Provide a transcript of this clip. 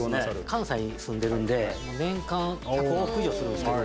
関西、住んでるんで年間１００往復以上するんですけど。